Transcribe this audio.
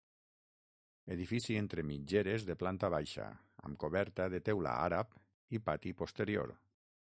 Edifici entre mitgeres de planta baixa, amb coberta de teula àrab i pati posterior.